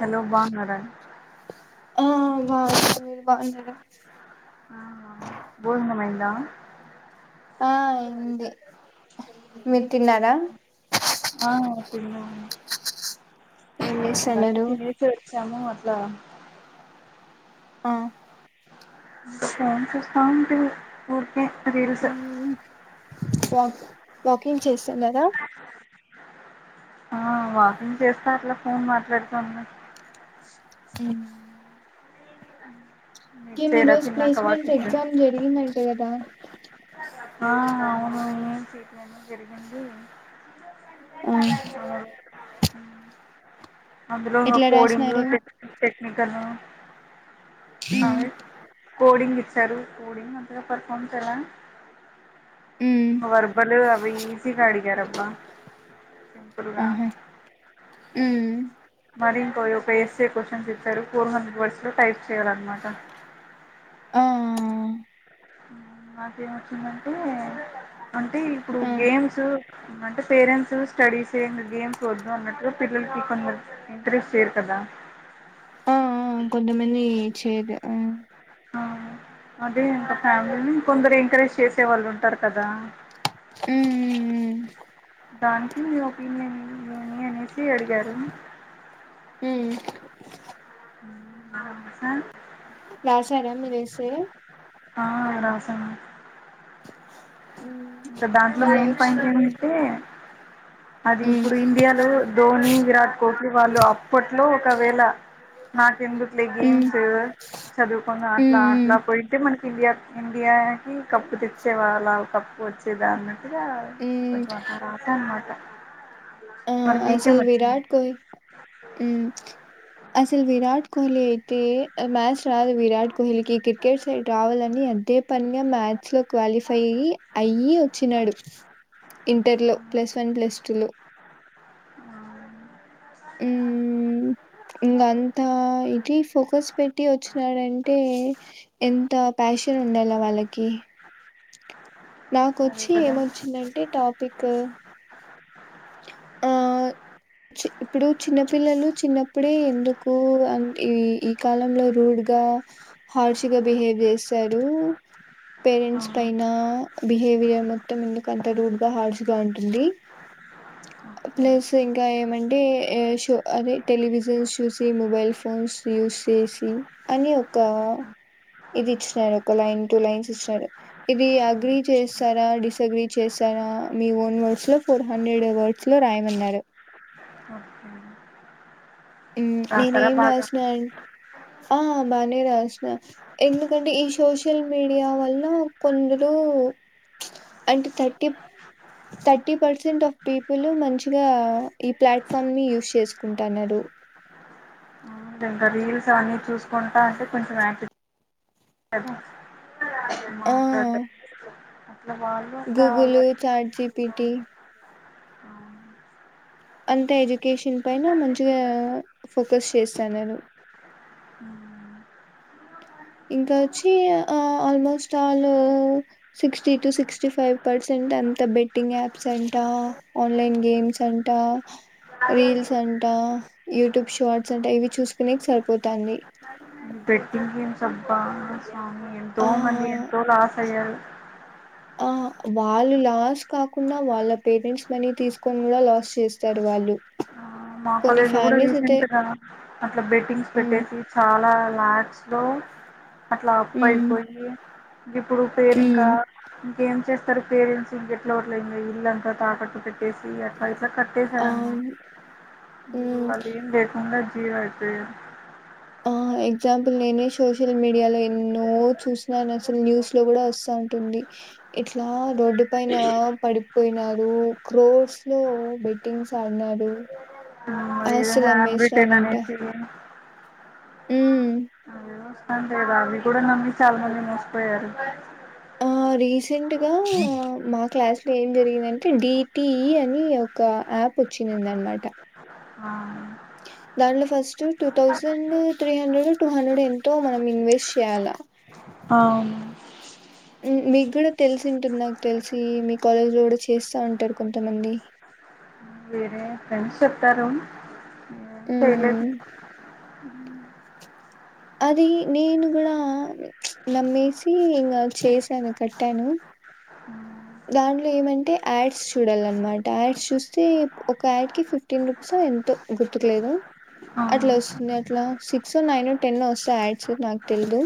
Hello బావున్నారా ఆ బాగు మీరు బాగున్నార ఇలా ఆ ఐంది మీరు తిన్నారా. ఆ తిన్నం ఏం బక చేస్తున్నారు తినేసి వచ్చాము. ఇలా ఆ సౌండ్స్ వస్తా ఉంటి. ఉం వాక్ వాకింగ్ చేస్తున్నారా. ఆ వాకింగ్ చేస్తా అట్లా ఫోన్ మాట్లాడుతుంది. అ మీరు చేయరా రోజు తిన్నాక ప్లేస్మెంట్ వాకింగు ఎగ్జామ్ జరిగిందంట కదా ఆ అవును, అవును ఇట్లనే జరిగింది. ఆ అ అందులో కోడింగ్ రాసినారు ఇంకాన ఆవు కోడింగ్ ఇచ్చారు. కోడింగ్ అంతగా పర్ఫార్మ్ చేయాలా. మ్మ్ వర్బల్ అవి ఈజీగా అడిగారబ్బా సింపుల్గా ఉమ్ మరి ఇంకో ఒక ఎస్ఏ క్వశ్చన్సు ఇచ్చారు. పూర్వ రివర్స్ లో టైప్ చేయాలన్నమాట. ఆ మాకేం వచ్చిందంటే అంటే ఇప్పుడు ఆ గేమ్స్ అంటే పేరెంట్స్ స్టడీస్ గేమ్స్ వద్దు అన్నట్టు పిల్లలకి కొంతమంది ఇంట్రెస్ట్ చేయరు కదా. ఆ కొంతమంది. చేద్ ఆ అదే అంట ఫ్యామిలీని కొందరు ఎంకరేజ్ చేసే వాళ్ళు ఉంటారు కదా. హ్మ్ ఉమ్ ఉమ్ దానికి మీ ఒపీనియన్ నని అనేసి అడిగారు. ఉమ్ రాసా రాసారా మీరు ఎస్ ఏ ఆ రాసాను. ఇంకా దాంట్లో మళ్ళా మెయిన్ వచ్చి పాయింట్ ఏంటంటే. అది మ్మ్ ఇప్పుడు ఇండియాలో ధోని విరాట్ కోహ్లీ వాళ్ళు అప్పట్లో, ఒకవేళ నాకెందుకు. ఈ మ్మ్ గేమ్స్ చదువుకుని అట్లా మ్మ్ అట్లా పోయింటె మనకి ఇండియా ఇండియాకి కప్పు తెచ్చేవాళ్ళ కప్పు వచ్చేదాన్ని హా మ్మ్ కొంచెం రాసాను అన్నమాట. ఆ అసలు వచ్చింది విరాట్ కోహ్ ఉ అసలు విరాట్ కో లి అయితే మ్యాస్ రాదు విరాట్ కోహ్లీకి క్రికెట్ సైడ్ రావాలని అదే పనిగా మ్యాచ్స్ లో క్వాలిఫై అయ్యి వచ్చినాడు ఇంటర్ లో ప్లస్ వన్ ప్లస్ టూ లో ఆ హ్మ్ ఇంగ అంత న్నాడంటే ఎంత ప్యాషన్ ఉండాల వాళ్ళకి అదే నాకొచ్చి కదా ఏమొచ్చిందంటే టాపిక్ ఆ ఇప్పుడు చిన్నపిల్లలు చిన్నప్పుడే ఎందుకు ఈ ఈ కాలంలో రూడ్గా హార్ష్గా బిహేవ్ చేస్తారు ఆ, పేరెంట్స్ పైన బిహేవియర్ మొత్తం ఎందుకు అంత రూడ్ గా హార్స్ గా ఉంటుంది ఓకే ప్లస్ ఇంకా ఏమంటే షో అదే టెలివిజన్స్ చూసి మొబైల్ ఫోన్స్ యూస్ చేసి అని ఒక ఇది ఇచ్చినారు ఒక లైన్ టు లైన్స్ ఇచ్చినారు ఇది అగ్రి చేస్తారా డిస అగ్రీ చేస్తారా మీ ఓన్ వర్డ్స్ లో ఫోర్ హండ్రెడ్ వర్డ్స్ లో రాయమన్నారు ఓకే నేనే రాసారా ఏం బాగా రాసిన అంటే ఆ బాగానే రాసిన ఎందుకంటే ఈ సోషల్ మీడియా వల్ల కొందరు అంటే thirty thirty percent of people మంచిగా ఈ ప్లాట్ఫామ్ ని యూస్ చేసుకుంటున్నారు. ఇంకా రీల్స్ అన్నీ చూసుకుంటా అంటే కొంచెం [unintelligible] కదా ఆ సరే గూగుల్ చాట్ జిపిటి అంత ఏజ్యుకేషన్ పైన మంచిగా ఫోకస్ చేస్తున్నారు. ఇంకా వచ్చి almost all sixty to sixty five percent అంత బెట్టింగ్ యాప్స్ అంట ఆన్లైన్ గేమ్స్ అంట రీల్స్ అంట యూట్యూబ్ షార్ట్స్ అంట ఇవి చూసుకునేకి సరిపోతుంది బెట్టింగ్ గేమ్స్ అబ్బా స్వామి ఎంతో ఆ మంది ఎంతో లాస్ అయ్యారు ఆ వాళ్ళు లాస్ కాకుండా వాళ్ళ పేరెంట్స్ మనీ తీసుకొని కూడా లాస్ చేస్తారు వాళ్ళు ఆ మా కొన్ని కాలేజ్ లో కూడా ఫ్యామిలీస్ రీసెంట్ అయితే కద అట్లా బెట్టింగ్స్ ఉమ్ పెట్టేసి చాలా లాక్స్లో అట్లా పోయి ఉమ్ పోయి ఇప్పుడు పేరు ఇంకా ఉమ్ ఏం చేస్తారు పేరెంట్స్ ఇంకెట్లో గట్ల ఇల్లుఅంతా తాకట్టు పెట్టేసి అట్లా కట్టేశారు ఆ అనమాట ఇప్పుడు ఉమ్ వాళ్ళు ఎమ్ లేకుండా ఇంగ జీరో అయితే ఆ ఎగ్జాంపుల్ నేనే సోషల్ మీడియాలో ఎన్నో చూసినాను అసలు న్యూస్ లో కూడా వస్తా ఉంటుంది ఇట్లా రోడ్డు పైన పడిపోయినారు క్రోట్స్ లో బెట్టింగ్స్ ఆడినరు హా బ్రిటెన్ అనేసి హు చూస్తాం కదా అవి కూడా నమ్మి చాలా మంది మోసిపోయారు ఆ రీసెంట్గా మా క్లాస్ లో ఏం జరిగిందంటే డిటిఈ అని ఒక యాప్ వచ్చింది అనమాట ఆ దాంట్లో first two thousand three hundred two hundred ఎంతో మనం ఇన్వెస్ట్ చేయ్యాలా అవున మీకు కూడా తెలిసి ఉంటుంది నాకు తెలిసి మీ కాలేజ్ లో కూడా చేస్తా ఉంటారు కొంతమంది ఎం చెప్తారు అ చేలేదు మ్మ్ అది నేను కూడా నమ్మేసి ఇంకా చేశాను కట్టాను దాంట్లో ఏమంటే యాడ్స్ చూడాలన్నమాట యాడ్స్ చూస్తే ఒక యాడ్ క ఫిఫ్టీన్ రూపీస్ ఎ గుర్తుకలేదు అట్లా వస్తుంది అట్లా సిక్స్ నైన్ టెన్ వస్తా యాడ్స్ నాకు తెలిదు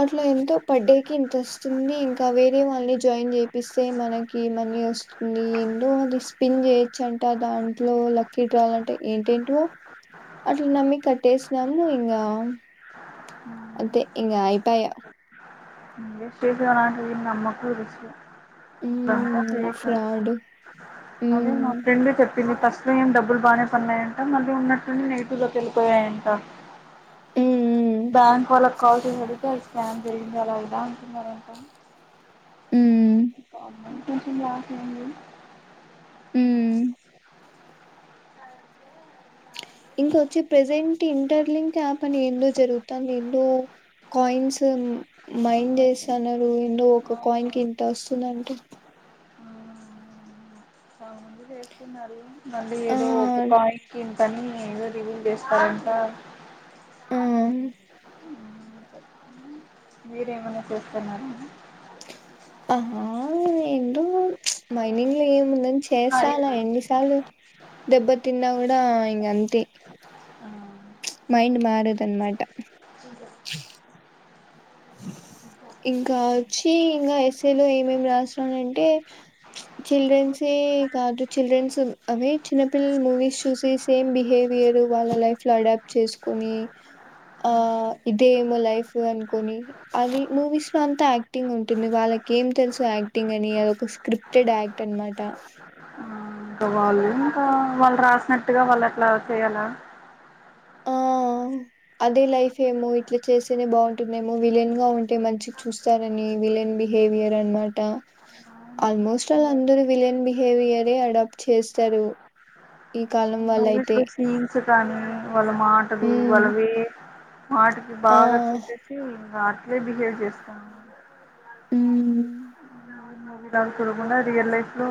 అట్లా ఎంతో పర్డే క ఇంత వస్తుంది ఇంకా వే తే వాళ్ళని జాయిన్ చేపిస్తే మనకి మనీ వస్తుంది ఏందో అది స్పిన్ చేయొచ్చు అంట దాంట్లో లక్కీ డ్రాల్ అంటే ఏంటేంటో అట్లా నమ్మి కట్టేసినాము ఇంకా అదే ఇంగ ఆయిపయా ట నమ్మకు వి అది అంత మ్మ్ ఫేక్ ఫ్రాడ్ అదే మా మ్మ్ ఫ్రెండ్ చెప్పింది ఫస్ట్ లో ఏ డబ్బులు బాగానే పన్నాయంట మళ్ళీ ఉన్నట్టుని నెైటి లో వెళ్ళిపోయాయంట మ్మ్ బ్యాంక్ వాళ్ళకి కాల్ అడిగితే స్కామ్ జరిగింది అలా అంది అ హ మారేకం ఉమ్ తుంచి హ్మ్మ్ ఇంకొచ్చి ప్రెజెంట్ ఇంటర్ లింక్ యాప్ అని ఎందో జరుగుతుంది ఎందో కాయిన్స్ మైం చేస్తున్నారు ఎందో ఒక కాయిన్ కి చాలా ఇంత వస్తుందింటే మంది చేస్తున్నారు మళ్ళీ ఆ ఏదో కానీ ఏదో రివ్యూల్ చేస్తారంట ఆ మీరేమైన్నా చేస్తున్నారా ఆహా ఏ మైనింగ్ లో ఏముందని చేసాలె ఎన్నిసార్లు దెబ్బ తిన్నా కూడా ఇంగ అంతే మైండ్ మారదనమాట [unintelligible] ఇంకా వచ్చి ఇంకా ఎస్సఏలో ఏమేం రాసినానంటే ఇచ్ చిల్డ్రన్సే కాదు చిల్డ్రన్స్ అవే చిన్నపిల్లలు మూవీస్ చూసి సేమ్ బిహేవియర్ వాళ్ళ లైఫ్ లో అడాప్ట్ చేసుకోని ఆ ఇదేమో లైఫ్ అను కొన్ని అది మూవీస్ లో అంతా యాక్టింగ్ ఉంటుంది వాళ్ళకి ఏం తెలుసు యాక్టింగ్ అని అది ఒక స్క్రిప్టెడ్ యాక్ట్ అన్నమాట ఆ వాళ్ళు ఇంకా వాళ్ళు రాసినట్ ఇదిగో వాళ్ళు అట్లా చేయాలా ఆ అదే లైఫ్ ఏమో ఇట్లా చేస్తేనే బాగుంటుందేమో విలన్ గా ఉంటే మంచి చూస్తారని విలన్ బిహేవియర్ అనమాట ఆల్మోస్ట్ వాళ్ళందరూ విలన్ బిహేవియరే అడాప్ట్ చేస్తారు ఇక్ కాలం వాళ్ళ అయితే ఈ దాన్ని వాళ్ళ మాటలు వాళ్ళ వే మాటికి ఆ బాగా చూపేసి ఇంగా బిహేవ్ చేస్తాను ఉమ్మ్ అంత చూడకుండా రియల్ లైఫ్లో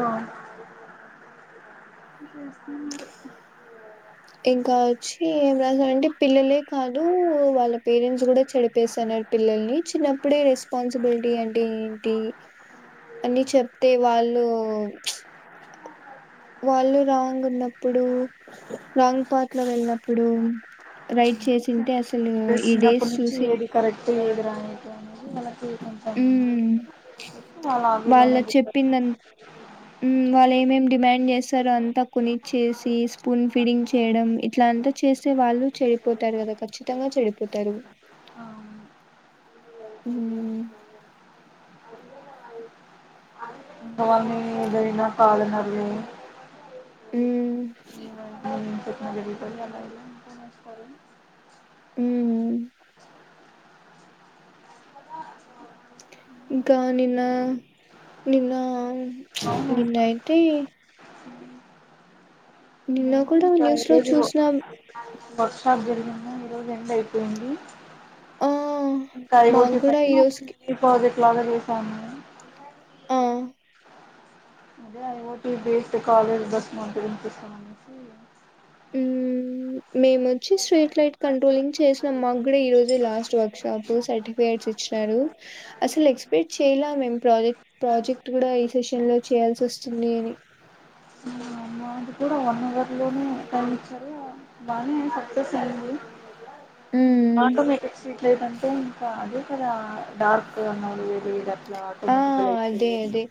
[inaudible] ఇంకా ఓచ్చి ఏం రాదు అంటే పిల్లలే కాదూ, వాళ్ళ పేరెంట్స్ కూడా చెడిపేసన్నా పిల్లల్ని చిన్నప్పుడే రెస్పాన్సిబిలిటీ అంటే ఏంటి, అని చెప్తే వాళ్ళు. వాళ్ళు రాంగ్ ఉన్నప్పుడు, రాంగ్ పాట్ లో వెళ్ళినప్పుడు, రైట్ చేసింటే అస. ఎల్లిన అదే ఈ డేస్ చిన్నప్పటి నుంచి చూసి. ఏది కరెక్ట్ ఏది రాంగ్ అని ఉమ్ వాళ్ళ వాళ్ళకి. చెప్పిందం [inaudible] ఉమ్ వాళ్ళ ఏమేమి డిమాండ్ చేస్తారో అంతా కొనిచ్చేసి, స్పూన్ ఫిడింగ్ చేయడం ఇట్లా అంతా చేస్తే వాళ్ళు చెడిపోతారు కదా ఖచ్చితంగా చెడిపోతారు. ఉమ్. కాని ఏదైనా కాలనవి. ఉమ్. [inaudible] ఉమ్. ఇంకా నిన్న, నిన్న అ అవును నిన్నయితే. నిన్న. మేము కొందర్ ఇంకా న్యూస్ లో ఈరోజు చూసినాం. వర్క్ షాప్ జరిగింది ఈరోజు ఎండ్ అయిపోయింది. ఆ ఇంకా మాకు ఐఓటి కూడా ఈ పైన రోజుకి డిపాజిట్. బాగా చేశాము. ఆ what's this college bus man. ఉమ్ మేమొచ్చి స్ట్రీట్ లైట్ కంట్రోలింగ్ చేసిన మాకు కూడా, ఈ రోజే లాస్ట్ వర్క్షాప్ సర్టిఫికేట్స్ ఇచ్చిరు, అసలు ఎక్స్పెక్ట్ చేయల మేము ప్రాజెక్ట్, ప్రాజెక్ట్ కూడా ఈ సెషన్ లో చేయాల్సి వస్తుంది అని. పని లోనే పని ఇచ్చారు బానే సక్సెస్ అయింది. ఉమ్ మాట మకప్ చేయలేదంటే ఇంకా అది. డార్క్ అన్న ఇది ఏ ఇట్లా. ఆ అదే మక్కాలేసింది. అదే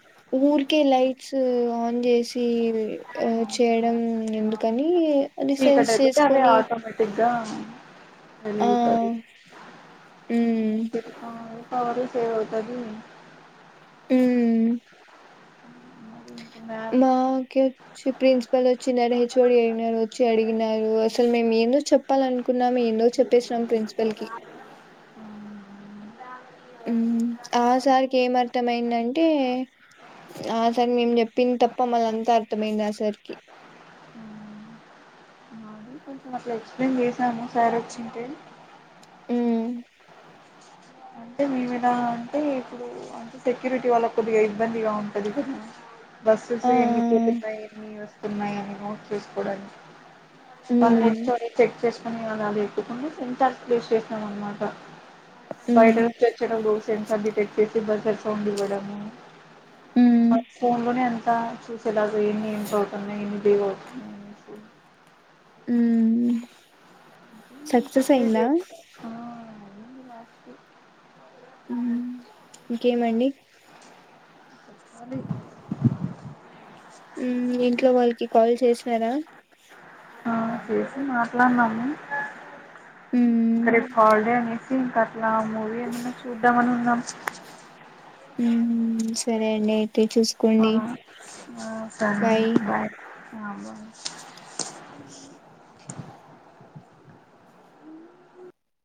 ఊరికే లైట్స్ ఆన్ చేసి అ చేయడం ఎందుకనీ. చీకటైతే గదే ఆటోమేటిక్గా. ఆ ఉమ్ [unintelligible] అరు సేవ్ అవుతది. ఉమ్. మరి ఇంకా మ్యాప్ మా కె. ప్రిన్సిపల్ వొచ్చి హెచ్ఓడి వొచ్చు అడిగినారు అసలు మేము ఏందో చెప్పాలనుకున్నాం ఏందో చెప్పేసినం ప్రిన్సిపల్ కి. ఉమ్ ఆ సారికి ఏం అర్థమైందంటే, ఆ తన్ మేము చెప్పింది తప్ప మళ్ళ అంతా అర్థమయింది ఆసరికి. మాది కొంచెం అట్లా ఎక్సప్లేన్ చేశాము సార్ వచ్చింటే. ఉమ్ అంటే మేమేలా అంటే, ఇప్పుడు అంటే సెక్యూరిటీ వాళ్ళ కొద్దిగా ఇబ్బందిగా ఉంటది గదా, బస్సెస్ ఆ ఎంగిపోతున్నాయి ఎన్ని వస్తున్నాయి అన్నీ నోట్ చేసుకోవడానికి. వాళ్ళు ఉమ్ ఎక్సపోట్ చెక్ చేసుకుని అలా లేపుకుని మం కల్పులేస్ చేసాం అన్నమాట. ఉమ్ [unintelligible] సిటి బజర్ సౌండ్ ఇవ్వడము, ఉమ్ మ ఫోన్ లోనే అంత, చూసేలాగా ఎన్ని ఏంట్రా అవుతున్నాయి ఎన్ని జోరో అవుతున్నా. ఉమ్ సక్సెస్ సెక్కురీ అయిందా వొచ్చిందా ఆ. ఊ వాస్కి ఇంకేమండి అలీ ఊ ఇంట్లో వాళ్ళకి కాల్ చేసినారా ఆ చేసి మాట్లాడినాము రేప్ హాల్ డే అనేసి ఇంకా గా మూవీ ఏమన్నా చూద్దామని ఉన్ గం ఊ సరే అండి ఆ చూసుకోండి ఆ సరే బాయ్ ఆ బాయ్